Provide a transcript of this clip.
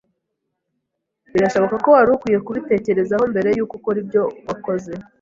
Birashoboka ko wari ukwiye kubitekerezaho mbere yuko ukora ibyo wakoze.